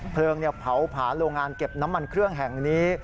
เพลิงเผาผาโรงงานเก็บน้ำมันเครื่องแห่งนี้